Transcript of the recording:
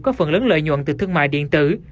có phần lớn lợi nhuận từ thương mại điện tử